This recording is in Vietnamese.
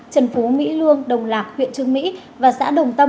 trần phú mỹ luông đồng lạc huyện trương mỹ và xã đồng tâm